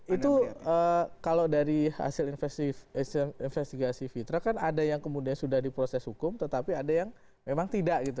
itu kalau dari hasil investigasi fitra kan ada yang kemudian sudah diproses hukum tetapi ada yang memang tidak gitu